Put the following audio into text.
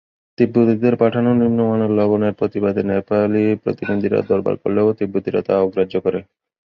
তিব্বতীদের পাঠানো নিম্নমানের লবণের প্রতিবাদের নেপালী প্রতিনিধিরা দরবার করলেও তিব্বতীরা তা অগ্রাহ্য করে।